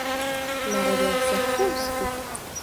Narodil se v Polsku.